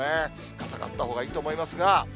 傘があったほうがいいと思いますが。